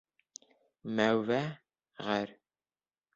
Мәүвә ғәр.